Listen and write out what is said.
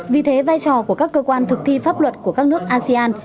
vì thế vai trò của các cơ quan thực thi pháp luật của các nước asean